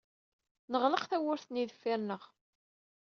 Neɣleq tawwurt-nni deffir-nneɣ.